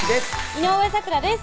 井上咲楽です